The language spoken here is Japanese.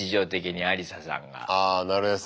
あなるへそ。